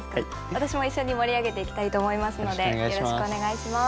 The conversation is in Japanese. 私も一緒に盛り上げていきたいと思いますのでよろしくお願いします。